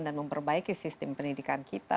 dan memperbaiki sistem pendidikan kita